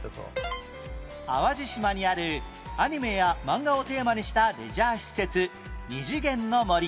淡路島にあるアニメや漫画をテーマにしたレジャー施設ニジゲンノモリ